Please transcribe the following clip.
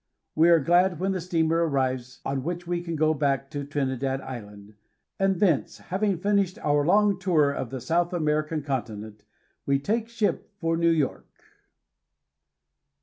We are glad when the steamer arrives on which we can go back to Trinidad Island, and thence, having finished our long tour of the South American continent, take ship for New York.